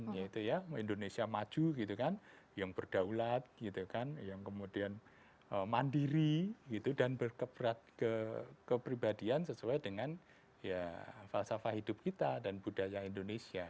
ya itu ya indonesia maju gitu kan yang berdaulat gitu kan yang kemudian mandiri gitu dan berkeberat kepribadian sesuai dengan ya falsafah hidup kita dan budaya indonesia